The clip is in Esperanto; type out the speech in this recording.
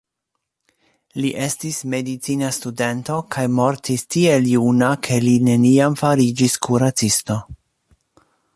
Li estis medicina studento kaj mortis tiel juna ke li neniam fariĝis kuracisto.